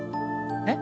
えっ？